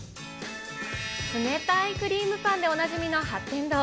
冷たいクリームパンでおなじみの八天堂。